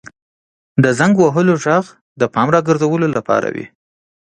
• د زنګ وهلو ږغ د پام راګرځولو لپاره وي.